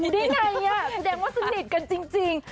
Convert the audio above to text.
ดิไงเนี่ยแดงว่าสนิทกันจริง